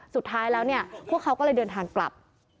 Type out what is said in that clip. สุดท้ายแล้วเนี่ยพวกเขาก็เลยเดินทางกลับ